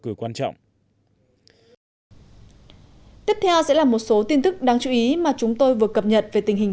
cử quan trọng tiếp theo sẽ là một số tin tức đáng chú ý mà chúng tôi vừa cập nhật về tình hình